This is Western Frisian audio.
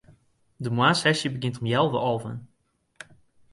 De moarnssesje begjint om healwei alven.